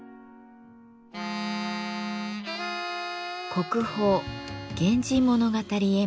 国宝「源氏物語絵巻」